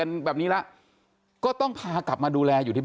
แข็งแข็งแข็งแข็งแข็งแข็งแข็ง